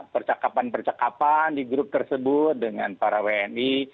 percakapan percakapan di grup tersebut dengan para wni